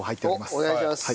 おっお願いします。